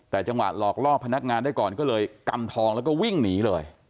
แต่จังหวะหลอกล่อพนักงานได้ก่อนก็เลยกำทองแล้วก็วิ่งหนีเลย